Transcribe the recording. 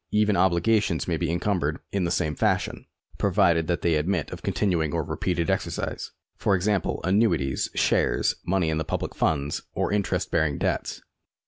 Even obligations may be encumbered in the same fashion, provided that they admit of continuing or repeated exercise ; for example, annuities, shares, money in the public funds, or interest bearing debts.